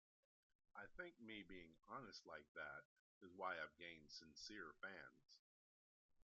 I think me being honest like that is why I've gained sincere fans.